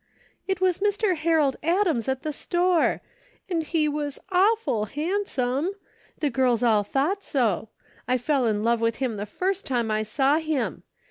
" It was Mr. Harold Adams at the store. And he was awful handsome. The girls all thought so. I fell in love with him the first time I saw him.